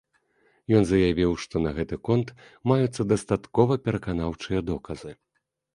Ён заявіў, што на гэты конт маюцца дастаткова пераканаўчыя доказы.